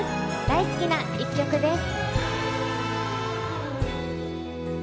大好きな１曲です。